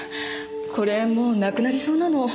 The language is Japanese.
これもうなくなりそうなの。